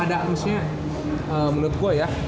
ada harusnya menurut gue ya